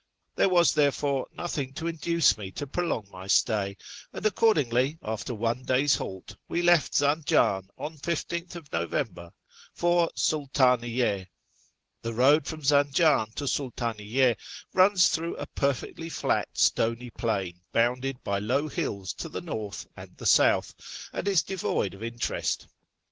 There was therefore nothing to induce me to prolong my stay, and accordingly, after one day's halt, we left Zanjan on 15th November for Sultaniyye. The road from Zanjan to Sultaniyye runs through a per fectly flat stony plain bounded by low hills to the north and the south, and is devoid of interest.